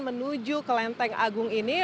menuju ke lenteng agung ini